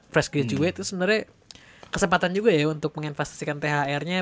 fresh graduate itu sebenernya kesempatan juga ya untuk menginvestasikan thr nya